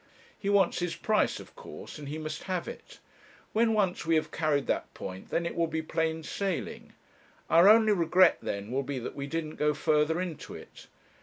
He wants his price, of course; and he must have it. When once we have carried that point, then it will be plain sailing; our only regret then will be that we didn't go further into it.